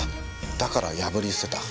だから破り捨てた。